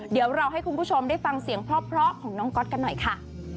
เดี๋ยวเราให้คุณผู้ชมได้ฟังเสียงเพราะของน้องก๊อตกันหน่อยค่ะ